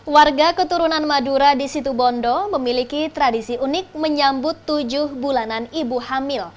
warga keturunan madura di situ bondo memiliki tradisi unik menyambut tujuh bulanan ibu hamil